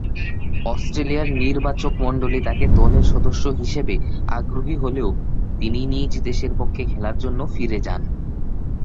অস্ট্রেলিয়ার নির্বাচকমণ্ডলী তাকে দলের সদস্য হিসেবে আগ্রহী হলেও তিনি নিজ দেশের পক্ষে খেলার জন্য ফিরে যান।